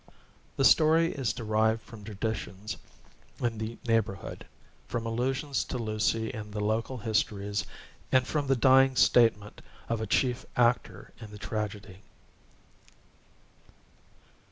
The story is derived from traditions in the neighborhood, from allusions to Lucy in the local histories, and from the dying statement of a chief actor in the tragedy.